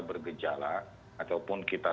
bergejala ataupun kita